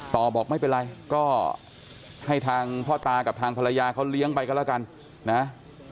ต่อบอกไม่เป็นไรก็ให้ทางพ่อตากับทางภรรยาเขาเลี้ยงไปก็แล้วกันนะ